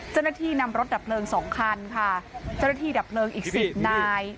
เจ้าหน้าที่นำรถดับเพลิงสองคันค่ะเจ้าหน้าที่ดับเพลิงอีกสิบนาย